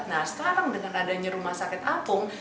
nah sekarang dengan adanya rumah sakit apung